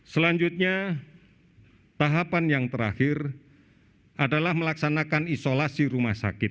selanjutnya tahapan yang terakhir adalah melaksanakan isolasi rumah sakit